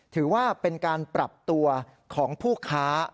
ถือว่าเป็นการปรับตัวของผู้ค้า